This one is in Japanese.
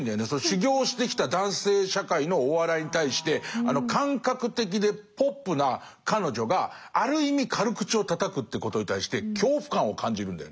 修業してきた男性社会のお笑いに対してあの感覚的でポップな彼女がある意味軽口をたたくってことに対して恐怖感を感じるんだよね。